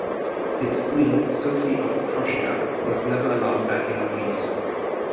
His queen, Sophie of Prussia, was never allowed back in Greece.